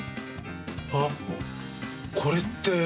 あっ、これって。